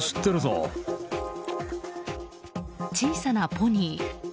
小さなポニー。